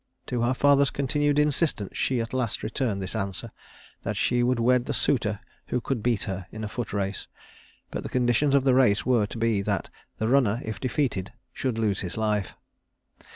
To her father's continued insistence she at last returned this answer that she would wed the suitor who could beat her in a foot race; but the conditions of the race were to be that the runner, if defeated, should lose his life.